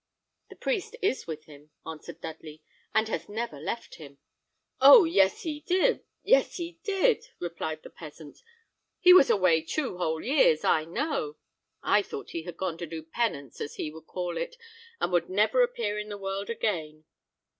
"The priest is with him," answered Dudley; "and has never left him." "Oh! yes he did; yes he did!" replied the peasant; "he was away two whole years, I know. I thought he had gone to do penance, as he would call it, and would never appear in the world again.